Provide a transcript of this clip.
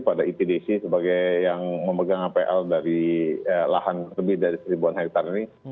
pada itdc sebagai yang memegang apl dari lahan lebih dari seribuan hektare ini